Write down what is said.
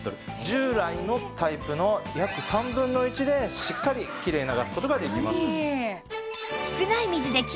従来のタイプの約３分の１でしっかりきれいに流す事ができます。